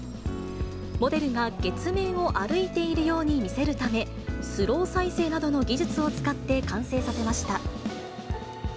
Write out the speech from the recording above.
モデルが月面を歩いているように見せるため、スロー再生などの技術を使って完成させました。